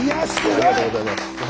ありがとうございます。